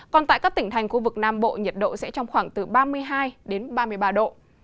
còn tại các tỉnh thành khu vực nam bộ nhiệt độ sẽ trong khoảng từ ba mươi hai đến ba mươi ba độ